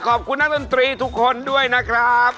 ขอบคุณนักดนตรีทุกคนด้วยนะครับ